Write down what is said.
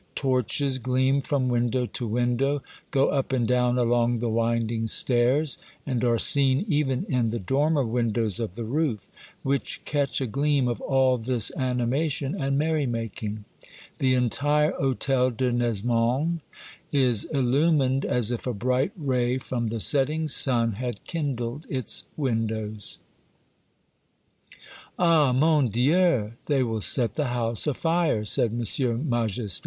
Torches gleam from window to window, go up and down along the winding stairs, and are seen even in the dormer windows of the roof, which catch a gleam of all this animation and merry making. The entire Hotel de Nesmond is illumined as if a bright ray from the setting sun had kindled its windows. Yule Tide Stories, 255 " Ah, mo7t Dieti ! they will set the house afire !" said Monsieur Majeste.